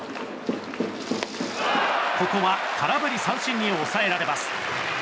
ここは空振り三振に抑えられます。